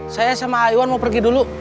saya sama iwan mau pergi dulu